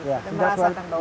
dan merasa akan bawa ini